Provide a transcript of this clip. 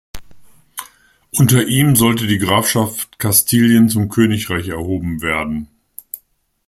Unter ihm sollte die Grafschaft Kastilien zum Königreich erhoben werden.